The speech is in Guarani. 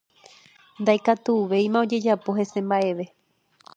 Ndaikatuvéima ojejapo hese mbaʼeve.